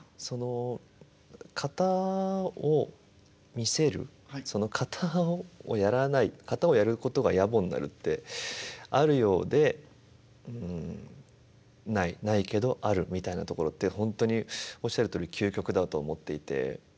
その型を見せる型をやらない型をやることがやぼになるってあるようでないないけどあるみたいなところって本当におっしゃるとおり究極だと思っていて。